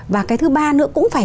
và cái thứ ba nữa cũng phải